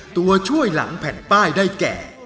ตัวช่วยหลังแผ่นป้ายได้แก่